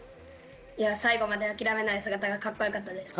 最後まで諦めない姿がカッコよかったです。